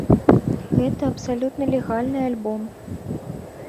Гэта абсалютна легальны альбом.